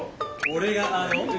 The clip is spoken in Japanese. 俺があの。